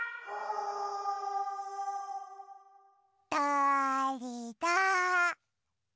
だれだ？